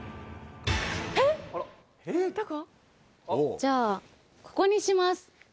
じゃあここにします。